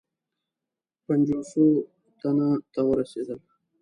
پنجوسو تنو ته ورسېدل.